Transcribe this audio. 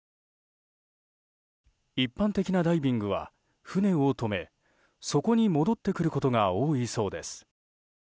一般的なダイビングは船を止めそこに戻ってくることが多いそうです。